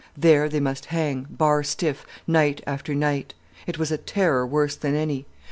There they must hang, bar stiff, night after night. It was a terror worse than any.